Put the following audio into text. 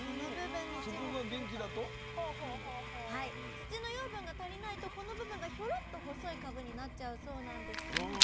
土の養分が足りないとこの部分がヒョロッと細いかぶになっちゃうそうなんです。